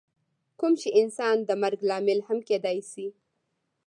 کوم چې انسان د مرګ لامل هم کیدی شي.